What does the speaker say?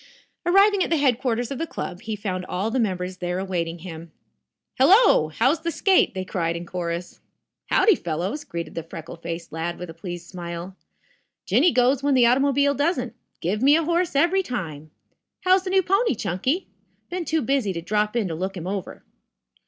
Arriving at the headquarters of the club, he found all the members there awaiting him. "Hello! How's the skate!" they cried in chorus. "Howdy, fellows," greeted the freckle faced lad with a pleased smile. "Jinny goes when the automobile doesn't. Give me a horse every time. How's the new pony, Chunky? Been too busy to drop in to look him over."